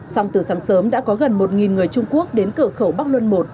xong từ sáng sớm đã có gần một người trung quốc đến cửa khẩu bắc luân i